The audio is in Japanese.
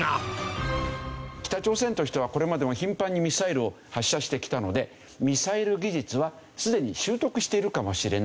北朝鮮としてはこれまでも頻繁にミサイルを発射してきたのでミサイル技術はすでに拾得しているかもしれない。